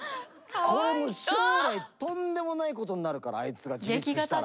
これもう将来とんでもないことになるからあいつが自立したら。